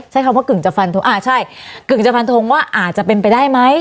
ใช้คำว่ากึ่งจะฟันทงอ่าใช่กึ่งจะฟันทงว่าอาจจะเป็นไปได้ไหม